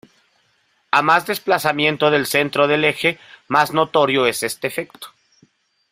A más desplazamiento del centro del eje, más notorio es este efecto.